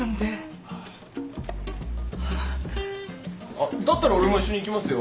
あっだったら俺も一緒に行きますよ。